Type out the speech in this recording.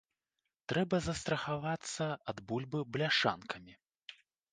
Трэба застрахавацца ад бульбы бляшанкамі.